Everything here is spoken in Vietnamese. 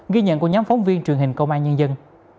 ghi nhận của nhóm phóng viên truyền hình công an nhân dân